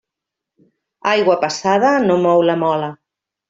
Aigua passada no mou la mola.